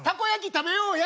食べようや。